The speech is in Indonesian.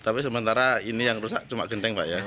tapi sementara ini yang rusak cuma genteng pak ya